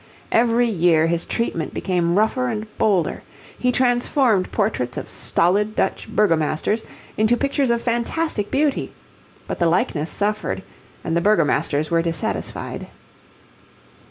Every year his treatment became rougher and bolder. He transformed portraits of stolid Dutch burgomasters into pictures of fantastic beauty; but the likeness suffered, and the burgomasters were dissatisfied.